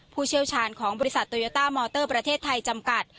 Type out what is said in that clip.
ผู้เชี่ยวชาญของบริษัทโตโยต้ามอเตอร์ประเทศไทยจำกัด